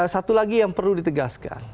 satu lagi yang perlu ditegaskan